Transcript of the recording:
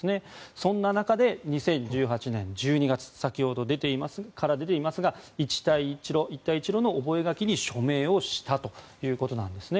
そんな中で２０１８年１２月先ほどから出ていますが一帯一路の覚書に署名をしたということなんですね。